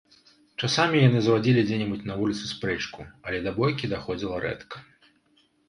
Часамі яны завадзілі дзе-небудзь на вуліцы спрэчку, але да бойкі даходзіла рэдка.